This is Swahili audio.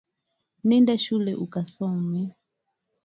Nenda shule ukasome